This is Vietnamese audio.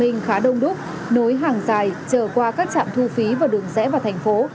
tình khá đông đúc nối hàng dài trở qua các trạm thu phí và đường rẽ vào thành phố